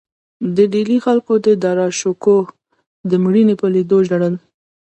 د ډیلي خلکو د داراشکوه د مړي په لیدو ژړل.